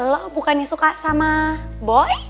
lo bukan yang suka sama boy